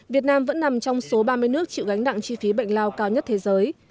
việt nam vẫn nằm trong số ba mươi nước chịu gánh đặng chi phí bệnh lao cao nhất thế giới